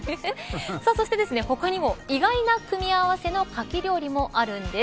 そして他にも意外な組み合わせのかき料理もあるんです。